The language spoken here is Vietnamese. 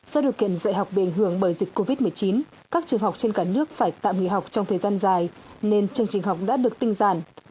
do điều kiện dạy học bị ảnh hưởng bởi dịch covid một mươi chín các trường học trên cả nước phải tạm nghỉ học trong thời gian dài nên chương trình học đã được tinh giản